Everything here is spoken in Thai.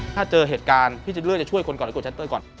ถ้าเจอเหตุการณ์พี่จะเลือกจะช่วยคนก่อนหรือกดชั้นเต้ยก่อน